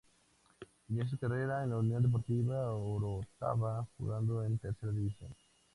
Inició su carrera en la Unión Deportiva Orotava, jugando en Tercera División.